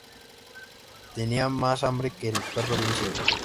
Tenía más hambre que el perro de un ciego